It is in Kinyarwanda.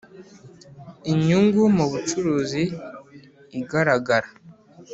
inyungu mu bucuruzi iragaragara